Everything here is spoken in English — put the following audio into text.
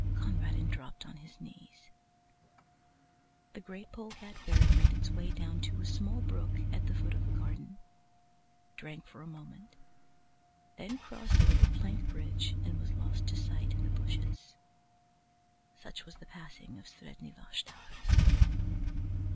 Conradin dropped on his knees. The great polecat ferret made its way down to a small brook at the foot of the garden, drank for a moment, then crossed a little plank bridge and was lost to sight in the bushes. Such was the passing of Sredni Vashtar.